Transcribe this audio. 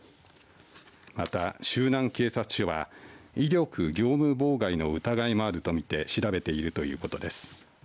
また、周南警察署は威力業務妨害の疑いもあると見て調べているということです。